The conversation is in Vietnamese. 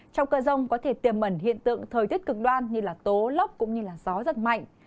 trong cờ rồng có thể tiềm ẩn hiện tượng thời tiết cực đoan như tố lốc cũng như gió rất mạnh